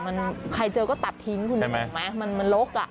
มันใครเจอก็ตัดทิ้งคุณเห็นไหมมันลก